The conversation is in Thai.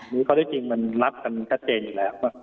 ข้อที่จริงมันรับกันชัดเจนอยู่แล้ว